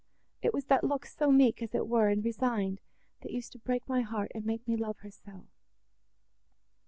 It was that look so meek, as it were, and resigned, that used to break my heart and make me love her so!"